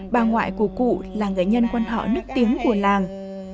bà ngoại của cụ là nghệ nhân quan họ nức tiếng của làng